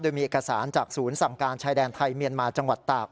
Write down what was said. โดยมีเอกสารจากศูนย์สั่งการชายแดนไทยเมียนมาจังหวัดตาก